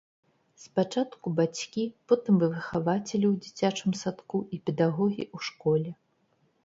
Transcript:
Спачатку бацькі, потым выхавацелі ў дзіцячым садку і педагогі ў школе.